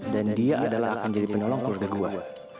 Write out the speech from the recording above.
dan dia adalah yang akan jadi penolong keluarga gue